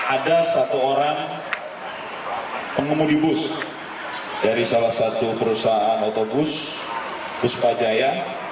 ada satu orang pengemudi bus dari salah satu perusahaan otobus puspajaya